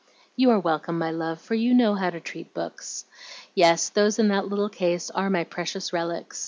"You are welcome, my love, for you know how to treat books. Yes, those in that little case are my precious relics.